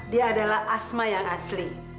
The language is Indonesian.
dia adalah asma yang asli